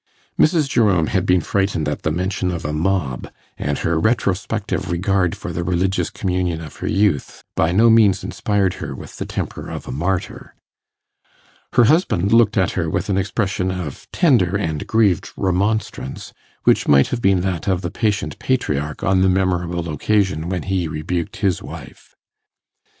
Mrs. Jerome had been frightened at the mention of a mob, and her retrospective regard for the religious communion of her youth by no means inspired her with the temper of a martyr. Her husband looked at her with an expression of tender and grieved remonstrance, which might have been that of the patient patriarch on the memorable occasion when he rebuked his wife.